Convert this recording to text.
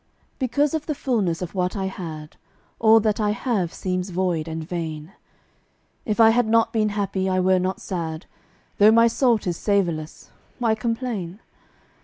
Because of the fullness of what I had All that I have seems void and vain. If I had not been happy I were not sad; Though my salt is savorless, why complain?